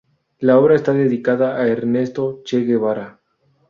La obra está dedicada a Ernesto Che Guevara.